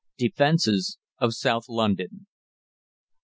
DEFENCES OF SOUTH LONDON.